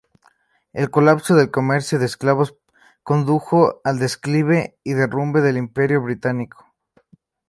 El colapso del comercio de esclavos condujo al declive y derrumbe del Imperio británico.